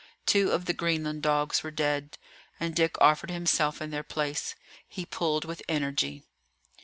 Two of the Greenland dogs were dead, and Dick offered himself in their place. He pulled with energy.